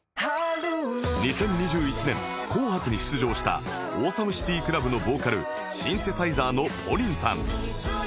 ２０２１年『紅白』に出場した ＡｗｅｓｏｍｅＣｉｔｙＣｌｕｂ のボーカルシンセサイザーの ＰＯＲＩＮ さん